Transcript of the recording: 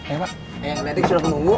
eng kledik sudah menunggu